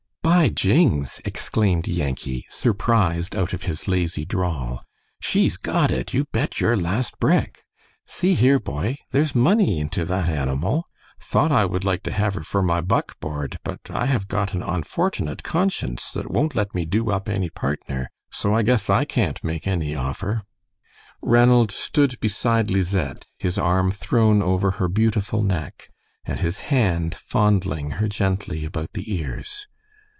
"By jings!" exclaimed Yankee, surprised out of his lazy drawl; "she's got it, you bet your last brick. See here, boy, there's money into that animal. Thought I would like to have her for my buckboard, but I have got an onfortunit conscience that won't let me do up any partner, so I guess I can't make any offer." Ranald stood beside Lisette, his arm thrown over her beautiful neck, and his hand fondling her gently about the ears.